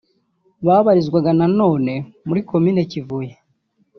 Babarizwaga na none muri Komini Kivuye